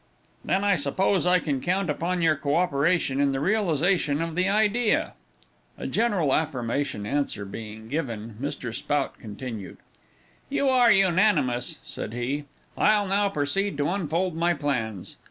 "Then I suppose I can count upon your coöperation in the realization of the idea," said Spout. A general affirmative answer being given, Mr. Spout continued. "You being unanimous," said he, "I'll now proceed to unfold my plans.